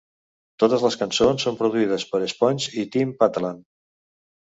Totes les cançons són produïdes per Sponge i Tim Patalan.